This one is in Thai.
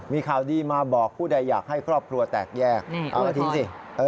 มีข่าวดีมาบอกผู้ใดอยากให้ครอบครัวแตกแยกเอาก็ทิ้งสิ